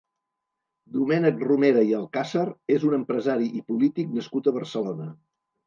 Domènec Romera i Alcázar és un empresari i polític nascut a Barcelona.